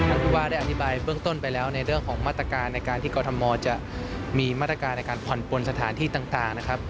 ผู้ว่าได้อธิบายเบื้องต้นไปแล้วในเรื่องของมาตรการในการที่กรทมจะมีมาตรการในการผ่อนปนสถานที่ต่างนะครับ